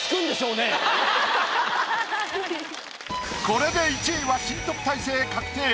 これで１位は新特待生確定！